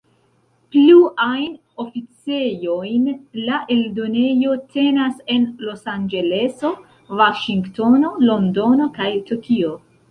Pluajn oficejojn la eldonejo tenas en Los-Anĝeleso, Vaŝingtono, Londono kaj Tokio.